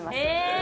え！